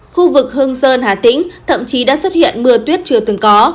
khu vực hương sơn hà tĩnh thậm chí đã xuất hiện mưa tuyết chưa từng có